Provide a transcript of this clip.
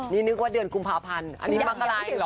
นี่นึกว่าเดือนกุมภาพันธ์อันนี้มังกราเองเหรอ